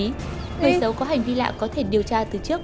người giấu có hành vi lạ có thể điều tra từ trước